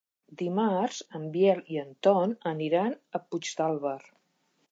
Dimarts en Biel i en Ton aniran a Puigdàlber.